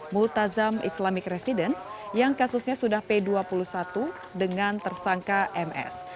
multazam islamic residence yang kasusnya sudah p dua puluh satu dengan tersangka ms